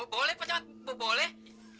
boleh pak jamat boleh